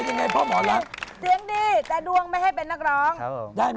เยี่ยมมากครับ